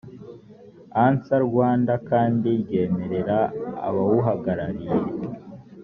ans rwanda kandi ryemerera abawuhagarariye